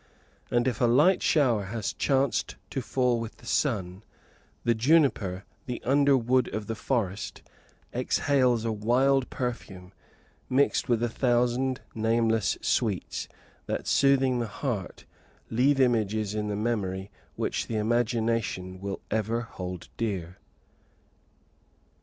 And if a light shower has chanced to fall with the sun, the juniper, the underwood of the forest, exhales a wild perfume, mixed with a thousand nameless sweets that, soothing the heart, leave images in the memory which the imagination will ever hold dear.